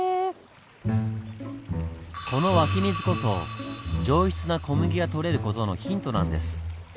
この湧き水こそ上質な小麦が取れる事のヒントなんです。